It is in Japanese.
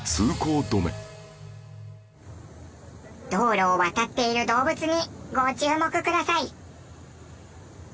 道路を渡っている動物にご注目ください！